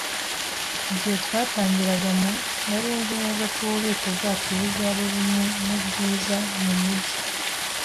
Igihe twatangiraga mu , nari nzi neza ko ububiko bwacu buzaba bumwe mu bwiza mu mujyi